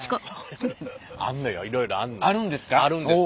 あるんです。